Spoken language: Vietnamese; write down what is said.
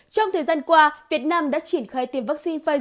trong thời gian qua việt nam đã triển khai tiêm vaccine phòng covid một mươi chín